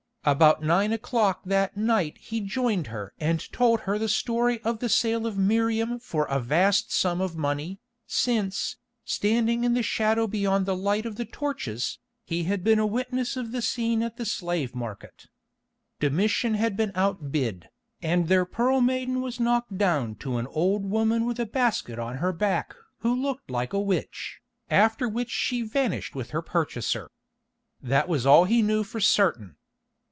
About nine o'clock that night he joined her and told her the story of the sale of Miriam for a vast sum of money, since, standing in the shadow beyond the light of the torches, he had been a witness of the scene at the slave market. Domitian had been outbid, and their Pearl Maiden was knocked down to an old woman with a basket on her back who looked like a witch, after which she vanished with her purchaser. That was all he knew for certain.